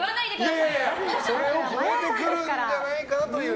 いやいや、それを超えてくるんじゃないかという。